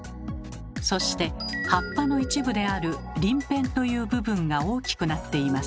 そして葉っぱの一部である「りん片」という部分が大きくなっています。